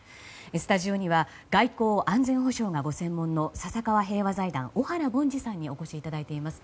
スタジオには外交・安全保障がご専門の笹川平和財団小原凡司さんにお越しいただいています。